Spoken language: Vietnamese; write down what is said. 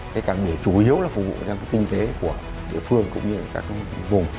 cái cảng biển chủ yếu là phù hợp với kinh tế của địa phương cũng như các vùng